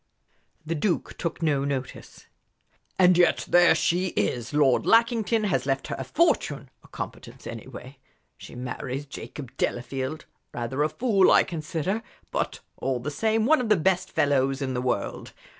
The Duke took no notice. "And yet there she is! Lord Lackington has left her a fortune a competence, anyway. She marries Jacob Delafield rather a fool, I consider, but all the same one of the best fellows in the world.